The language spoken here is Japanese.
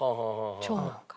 長男か。